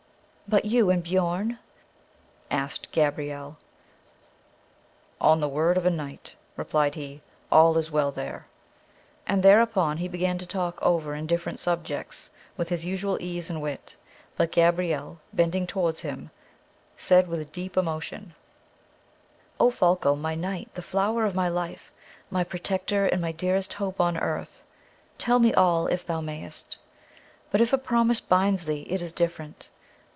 "But you and Biorn?" asked Gabrielle. "On the word of a knight," replied he, "all is well there." And thereupon he began to talk over indifferent subjects with his usual ease and wit; but Gabrielle, bending towards him, said with deep emotion: "O Folko, my knight, the flower of my life, my protector and my dearest hope on earth, tell me all, if thou mayst. But if a promise binds thee, it is different.